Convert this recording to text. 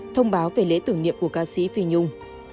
thông báo về lễ tưởng niệm của ca sĩ phi nhung